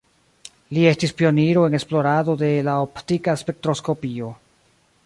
Li estis pioniro en esplorado de la optika spektroskopio.